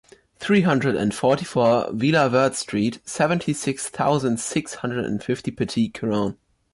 three hundred and forty-four Vila Verde Street, seventy-six thousand six hundred and fifty Petit-Couronne